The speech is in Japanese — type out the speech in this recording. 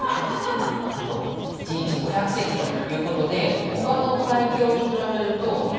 なんと１日５００隻という事で他の海峡に比べるとまあ多いと。